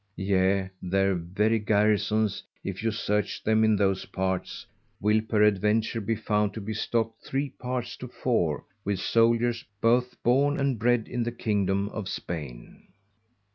_Yea their very Garrisons, if you search them in those parts, will peradventure be found to be stock'd three parts to four with Souldiers both born and bred in the Kingdom of_ Spain.